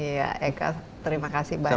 iya eka terima kasih banyak